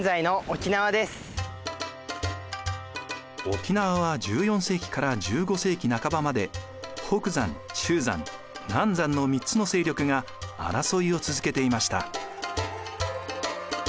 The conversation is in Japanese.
沖縄は１４世紀から１５世紀半ばまで北山中山南山の３つの勢力が争いを続けていました。